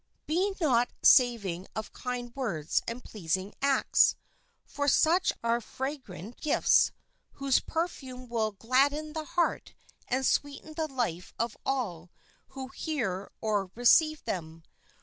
Be not saving of kind words and pleasing acts; for such are fragrant gifts, whose perfume will gladden the heart and sweeten the life of all who hear or receive them.